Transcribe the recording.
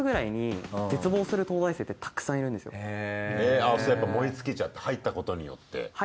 なんか燃え尽きちゃった入ったことによって。